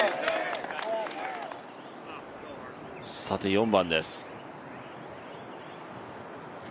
さて４番です。